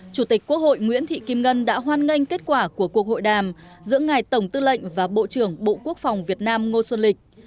chủ tịch quốc hội nguyễn thị kim ngân đã hoan nghênh kết quả của cuộc hội đàm giữa ngài tổng tư lệnh và bộ trưởng bộ quốc phòng việt nam ngô xuân lịch